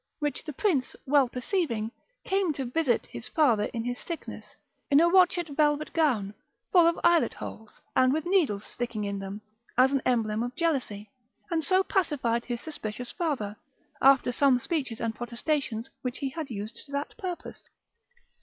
which the prince well perceiving, came to visit his father in his sickness, in a watchet velvet gown, full of eyelet holes, and with needles sticking in them (as an emblem of jealousy), and so pacified his suspicious father, after some speeches and protestations, which he had used to that purpose.